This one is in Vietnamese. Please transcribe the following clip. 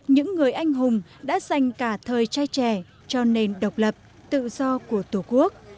những người anh hùng đã dành cả thời trai trẻ cho nền độc lập tự do của tổ quốc